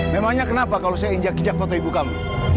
memangnya kenapa kalau saya injak injak foto ibu kami